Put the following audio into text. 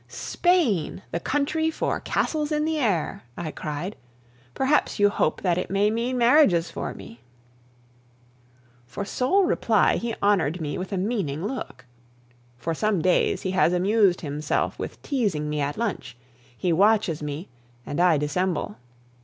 "Spain, the country for castles in the air!" I cried. "Perhaps you hope that it may mean marriages for me!" For sole reply he honored me with a meaning look. For some days he has amused himself with teasing me at lunch; he watches me, and I dissemble.